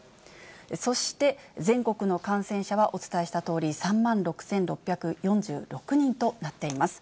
そして全国の感染者は、お伝えしたとおり３万６６４６人となっています。